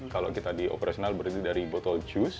kalau kita di operasional berarti dari botol jus atau botol minyak